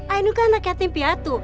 ainu kan anak yatim piatu